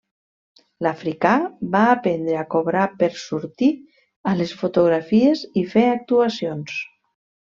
L'africà va aprendre a cobrar per sortir a les fotografies i fer actuacions.